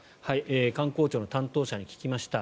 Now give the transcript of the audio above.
観光庁の担当者に聞きました。